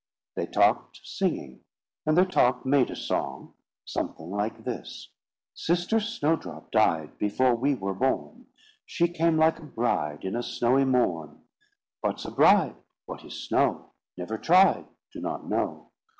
They talked singing, and their talk made a song, something like this: "Sister Snowdrop died Before we were born." "She came like a bride In a snowy morn." "What's a bride?" "What is snow? "Never tried." "Do not know."